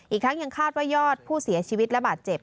อีกทั้งยังคาดว่ายอดผู้เสียชีวิตและบาดเจ็บ